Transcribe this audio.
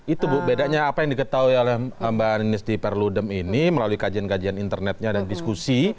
itu bu bedanya apa yang diketahui oleh mbak anies di perludem ini melalui kajian kajian internetnya dan diskusi